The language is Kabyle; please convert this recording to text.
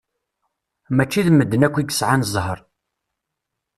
Mačči d medden akk i yesɛan zzher.